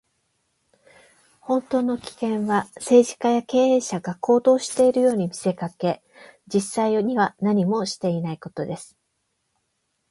本当の危険は、政治家や経営者が行動しているように見せかけ、実際には何もしていないことです。